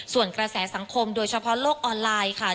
ส่วนกระแสสังคมโดยเฉพาะโลกออนไลน์ค่ะ